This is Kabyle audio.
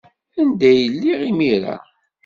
Anda ay lliɣ imir-a?